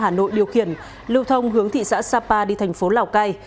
hà nội điều khiển lưu thông hướng thị xã sapa đi thành phố lào cai